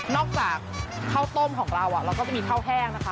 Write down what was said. จากข้าวต้มของเราเราก็จะมีข้าวแห้งนะคะ